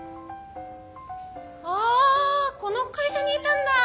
あーこの会社にいたんだー。